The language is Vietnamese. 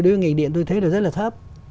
đối với ngành điện tôi thấy là rất là thấp